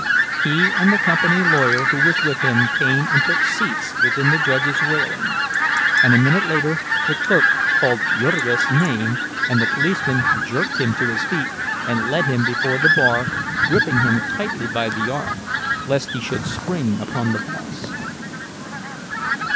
He and the company lawyer, who was with him, came and took seats within the judge's railing; and a minute later the clerk called Jurgis' name, and the policeman jerked him to his feet and led him before the bar, gripping him tightly by the arm, lest he should spring upon the boss.